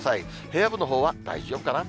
平野部のほうは大丈夫かな？